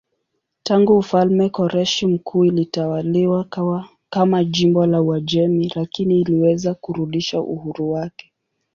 Tangu mfalme Koreshi Mkuu ilitawaliwa kama jimbo la Uajemi lakini iliweza kurudisha uhuru wake.